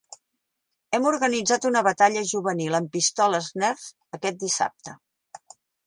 Hem organitzat una batalla juvenil amb pistoles Nerf aquest dissabte.